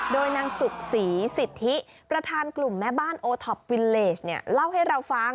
โดยนางสุขศรีสิทธิประธานกลุ่มแม่บ้านโอท็อปวิลเลสเนี่ยเล่าให้เราฟัง